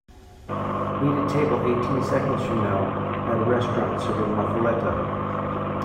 need a table eighteen seconds from now at a restaurant serving muffuletta